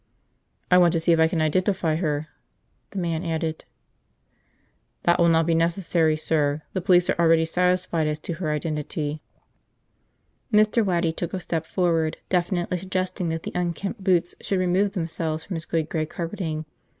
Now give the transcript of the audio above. "I want to see if I can identify her," the man added. "That will not be necessary, sir. The police are already satisfied as to her identity." Mr. Waddy took a step forward, definitely suggesting that the unkempt boots should remove themselves from his good gray carpeting.